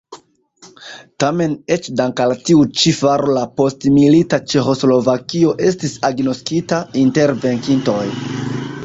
Tamen eĉ dank' al tiu ĉi faro la postmilita Ĉeĥoslovakio estis agnoskita inter venkintoj.